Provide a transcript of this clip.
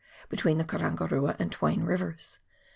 between the Karangarua and Twain Rivers.